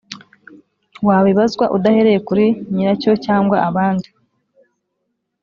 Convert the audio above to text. wabibazwa udahereye kuri nyiracyocyangwa abandi